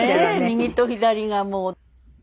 右と左がもう。